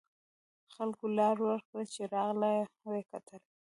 خلکو لار ورکړه چې راغله و یې کتل.